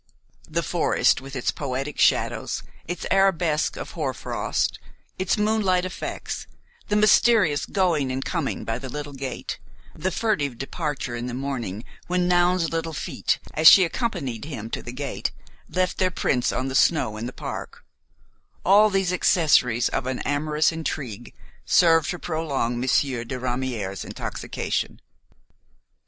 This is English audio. The forest with its poetic shadows, its arabesques of hoar frost, its moonlight effects, the mysterious going and coming by the little gate, the furtive departure in the morning when Noun's little feet, as she accompanied him to the gate, left their prints on the snow in the park–all these accessories of an amorous intrigue served to prolong Monsieur de Ramière's intoxication.